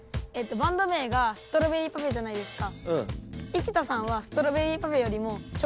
バンド名がストロベリーパフェじゃないですか。